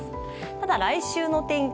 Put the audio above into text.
ただ、来週の天気。